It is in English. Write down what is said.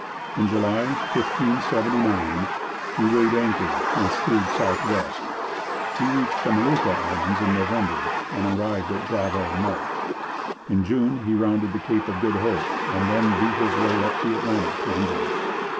In July 1579 he weighed anchor and steered south west. He reached the Molucca Islands in November, and arrived at Java in March. In June he rounded the Cape of Good Hope and then beat his way up the Atlantic to England.